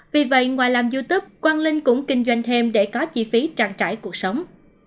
vì vậy ngoài làm youtube quang linh cũng kinh doanh thêm để có chi phí trang trải cuộc sống